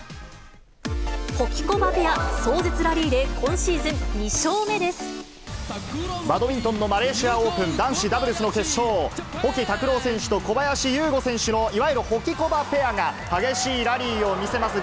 ホキコバペア、壮絶ラリーでバドミントンのマレーシアオープン男子ダブルスの決勝、保木卓朗選手と小林優吾選手のいわゆるホキコバペアが激しいラリーを見せます。